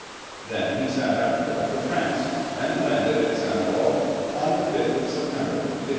Then he set out again for France, and landed at St. Malo on the 5th of September, 1534.